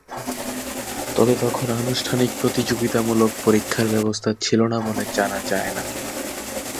তবে তখন আনুষ্ঠানিক প্রতিযোগিতামূলক পরীক্ষার ব্যবস্থা ছিল বলে জানা যায় না।